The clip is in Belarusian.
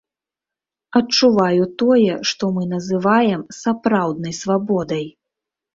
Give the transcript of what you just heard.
Адчуваю тое, што мы называем сапраўднай свабодай.